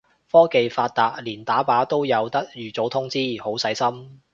科技發達連打靶都有得預早通知，好細心